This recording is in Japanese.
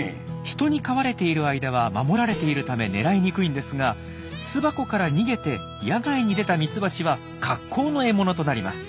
人に飼われている間は守られているため狙いにくいんですが巣箱から逃げて野外に出たミツバチは格好の獲物となります。